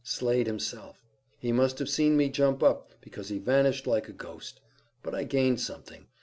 "Slade himself. He must have seen me jump up, because he vanished like a ghost. But I gained something.